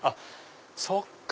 そっか！